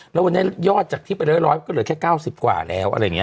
แล้ววันนี้ยอดจากที่ไป๑๐๐ก็เหลือแค่๙๐กว่าแล้วอะไรอย่างนี้